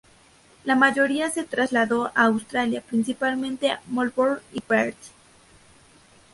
La mayoría se trasladó a Australia, principalmente a Melbourne y Perth.